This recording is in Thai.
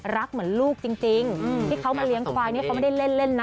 รักเหมือนลูกจริงที่เขามาเลี้ยงควายนี่เขาไม่ได้เล่นนะ